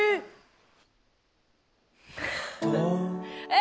え！